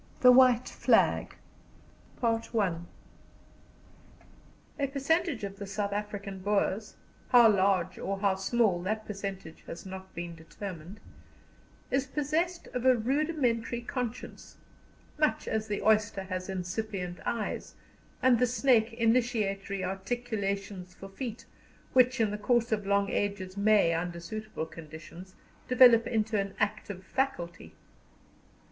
THE WHITE FLAG A percentage of the South African Boers how large or how small that percentage is has not been determined is possessed of a rudimentary conscience, much as the oyster has incipient eyes, and the snake initiatory articulations for feet, which in the course of long ages may, under suitable conditions, develop into an active faculty.